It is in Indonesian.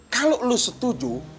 kalau lu setuju